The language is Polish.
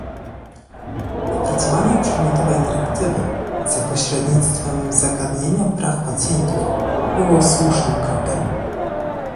Opracowanie przedmiotowej dyrektywy za pośrednictwem zagadnienia praw pacjentów było słusznym krokiem